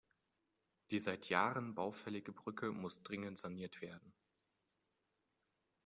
Die seit Jahren baufällige Brücke muss dringend saniert werden.